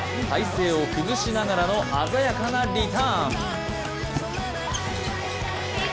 体勢を崩しながらの鮮やかなリターン。